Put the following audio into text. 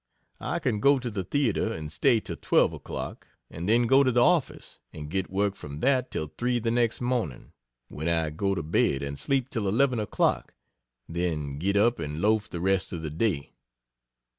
I can go to the theatre and stay till 12 o'clock and then go to the office, and get work from that till 3 the next morning; when I go to bed, and sleep till 11 o'clock, then get up and loaf the rest of the day.